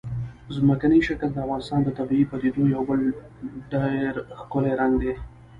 ځمکنی شکل د افغانستان د طبیعي پدیدو یو بل ډېر ښکلی رنګ دی.